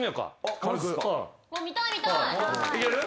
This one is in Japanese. いける？